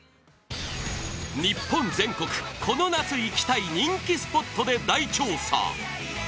日本全国、この夏行きたい人気スポットで大調査！